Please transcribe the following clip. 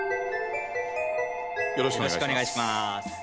よろしくお願いします。